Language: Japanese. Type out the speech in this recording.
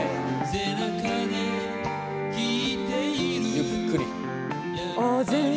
ゆっくり。